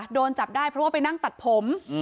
โดนจับได้เพราะว่าไปนั่งตัดผม